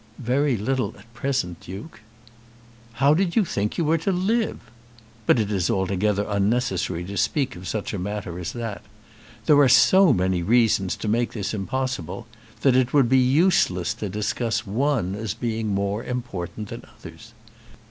"Very little at present, Duke." "How did you think you were to live? But it is altogether unnecessary to speak of such a matter as that. There are so many reasons to make this impossible, that it would be useless to discuss one as being more important than others.